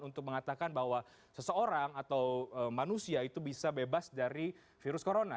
untuk mengatakan bahwa seseorang atau manusia itu bisa bebas dari virus corona